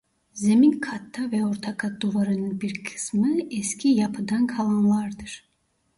Zemin katta ve orta kat duvarının bir kısmı eski yapıdan kalanlardır.